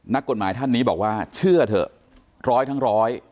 นักกฎหมายท่านนี้บอกว่าเชื่อเถอะร้อยทั้งร้อย